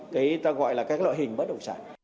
thì ta gọi là các loại hình bất đồng sản